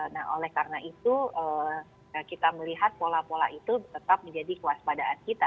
nah oleh karena itu kita melihat pola pola itu tetap menjadi kewaspadaan kita